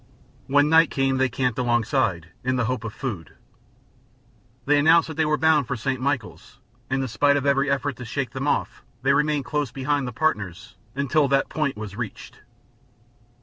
When night came they camped alongside, in the hope of food. They announced that they were bound for St. Michaels, and in spite of every effort to shake them off they remained close behind the partners until that point was reached.